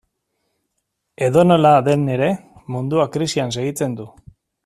Edonola den ere, munduak krisian segitzen du.